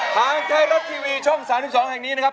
ทางไทยรัฐทีวีช่อง๓๒แห่งนี้นะครับ